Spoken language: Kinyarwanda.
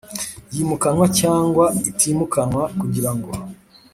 yimukanwa cyangwa itimukanwa kugirango